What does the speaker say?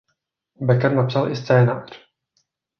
Becker napsal i scénář.